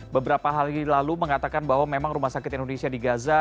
beberapa hari lalu mengatakan bahwa memang rumah sakit indonesia di gaza